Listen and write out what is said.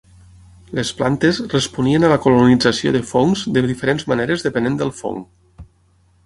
Les plantes responien a la colonització de fongs de diferents maneres depenent del fong.